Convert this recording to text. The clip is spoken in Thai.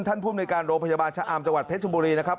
ท่านผู้มนิการโรงพยาบาลชะอำจังหวัดเพชรชมบุรีนะครับ